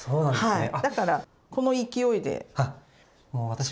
はい。